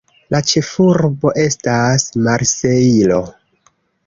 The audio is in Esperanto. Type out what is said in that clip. La ĉefurbo estas Marsejlo.